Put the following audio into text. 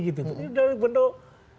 itu dalam bentuk